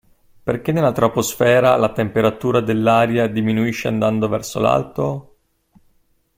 Perché nella troposfera la temperatura dell‘aria diminuisce andando verso l'alto?